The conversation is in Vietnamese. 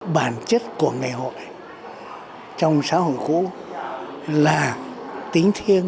bản chất của ngày hội trong xã hội cũ là tính thiêng